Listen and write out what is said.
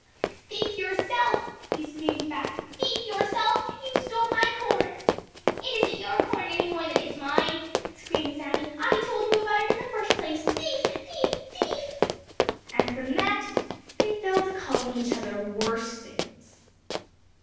"Thief yourself!" he screamed back. "Thief yourself! You stole my corn!" "It isn't your corn any more than it's mine!" screamed Sammy. "I told you about it in the first place. Thief! thief! thief!" And from that, they fell to calling each other worse things.